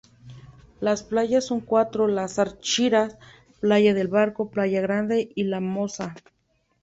Las playas son cuatro: "Las Achiras", "Playa del Barco", "Playa Grande" y "La Moza".